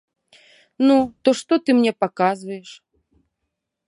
Ну, то што ты мне паказваеш!